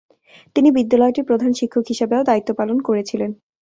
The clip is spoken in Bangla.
তিনি বিদ্যালয়টির প্রধান শিক্ষক হিসেবেও দায়িত্ব পালন করেছিলেন।